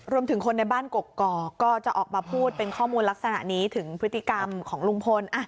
รวมถึงคนในบ้านกกอกก็จะออกมาพูดเป็นข้อมูลลักษณะนี้ถึงพฤติกรรมของลุงพล